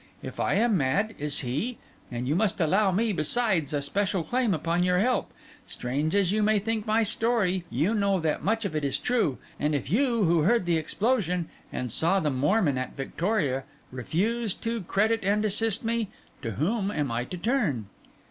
If I am mad, is he? And you must allow me, besides, a special claim upon your help. Strange as you may think my story, you know that much of it is true; and if you who heard the explosion and saw the Mormon at Victoria, refuse to credit and assist me, to whom am I to turn?